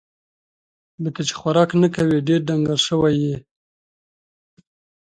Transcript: لکه چې خوراک نه کوې ، ډېر ډنګر سوی یې